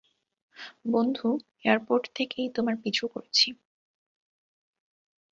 বন্ধু, এয়ারপোর্ট থেকেই তোমার পিছু করছি।